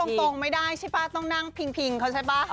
นี่คือนั่งตรงไม่ได้ใช่ป่ะต้องนั่งพิ่งเขาใช่ป่ะ